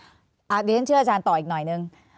เดี๋ยวฉันเชื่ออาจารย์ต่ออีกหน่อยนึง